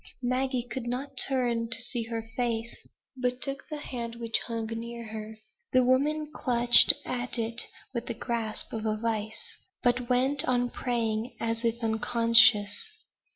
Maggie could not turn to see her face, but took the hand which hung near her. The woman clutched at it with the grasp of a vice; but went on praying, as if unconscious.